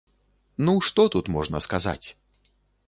Ну што тут можна сказаць?